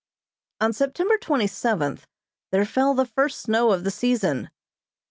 On September twenty seventh there fell the first snow of the season.